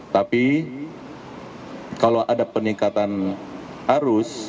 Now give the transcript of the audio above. tapi kalau ada peningkatan arus